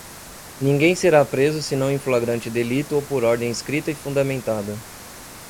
ninguém será preso senão em flagrante delito ou por ordem escrita e fundamentada